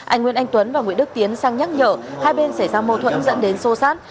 anh nguyễn anh tuấn và nguyễn đức tiến sang nhắc nhở hai bên xảy ra mâu thuẫn dẫn đến sô sát